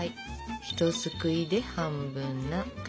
ひとすくいで半分な感じ。